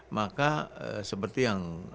maka seperti yang